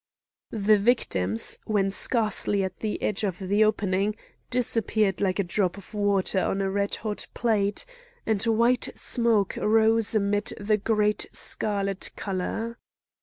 The victims, when scarcely at the edge of the opening, disappeared like a drop of water on a red hot plate, and white smoke rose amid the great scarlet colour.